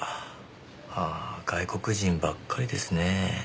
ああ外国人ばっかりですね。